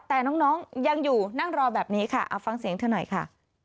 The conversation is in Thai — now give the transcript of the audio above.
แต่น้องยังอยู่นั่งรอแบบนี้ค่ะเอาฟังเสียงเธอหน่อยค่ะ